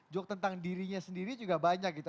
joke tentang dirinya sendiri juga banyak gitu